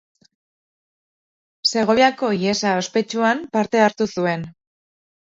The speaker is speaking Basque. Segoviako ihesa ospetsuan parte hartu zuen.